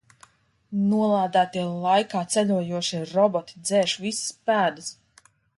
Nolādētie laikā ceļojošie roboti dzēš visas pēdas.